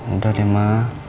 udah deh ma